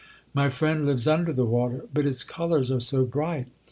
My friend lives under the water, but its colours are so bright.